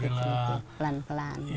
sudah bisa jalan ke majelis